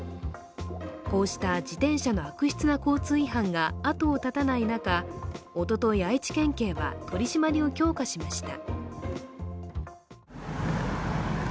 こうした自転車の悪質な交通違反が後を絶たない中おととい、愛知県警は取り締まりを強化しました。